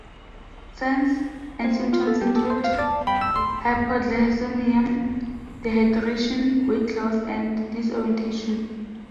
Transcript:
Signs and symptoms include: hypoglycemia, dehydration, weight loss, and disorientation.